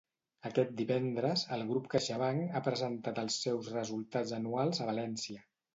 Aquest divendres, el grup CaixaBank ha presentat els seus resultats anuals a València.